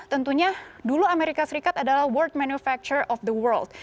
tentunya dulu amerika serikat adalah world manufacture of the world